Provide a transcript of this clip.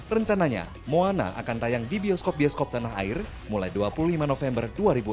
rencananya moana akan tayang di bioskop bioskop tanah air mulai dua puluh lima november dua ribu enam belas